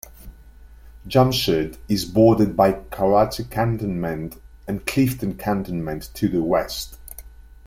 Jamshed is bordered by Karachi Cantonment and Clifton Cantonment to the west.